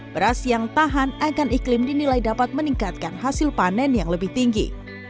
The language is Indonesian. beras yang tahan akan iklim dinilai dapat meningkatkan hasil panen yang lebih tinggi